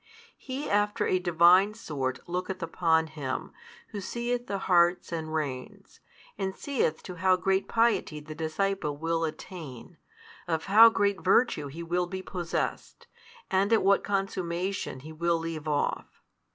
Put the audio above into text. He after a Divine sort looketh upon him, Who seeth the hearts and reins; and seeth to how great piety the disciple will attain, of how great virtue he will be possessed, and at what consummation he will leave off.